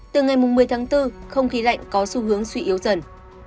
từ ngày một mươi tháng bốn không khí lạnh có xu hướng suy yếu dần